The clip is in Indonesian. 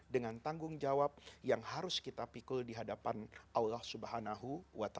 dengan tanggung jawab yang harus kita pikul di hadapan allah swt